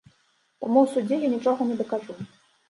Таму ў судзе я нічога не дакажу.